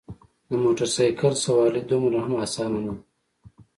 د موټرسایکل سوارلي دومره هم اسانه نده.